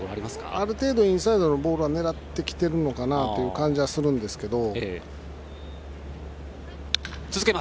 ある程度、インサイドは狙ってきているのかなという感じはするんですけど。